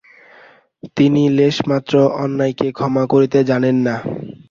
তিনি লেশমাত্র অন্যায়কে ক্ষমা করিতে জানেন না।